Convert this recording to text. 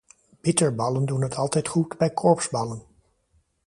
Bitterballen doen het altijd goed bij corpsballen.